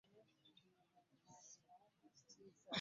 Omukuumi wa kampuni ya soda akubiddwa amasasi agamutiddewo.